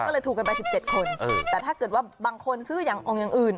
ก็เลยถูกกันไป๑๗คนแต่ถ้าเกิดว่าบางคนซื้ออย่างองค์อย่างอื่น